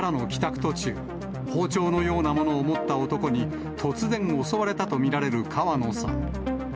途中、包丁のようなものを持った男に突然、襲われたと見られる川野さん。